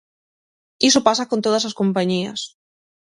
Iso pasa con todas as compañías.